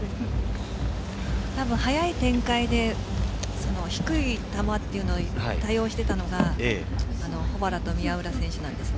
早い展開で低い球というのを多用していたのが保原と宮浦選手なんですね。